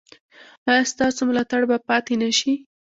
ایا ستاسو ملاتړ به پاتې نه شي؟